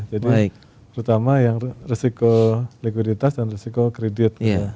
jadi terutama yang resiko likuiditas dan resiko kredit